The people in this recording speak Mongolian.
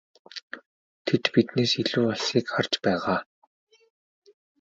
Тэд биднээс илүү алсыг харж байгаа.